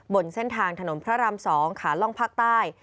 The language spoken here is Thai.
บนเส้นทางถนนพระราม๒ขาล่องภาคใต้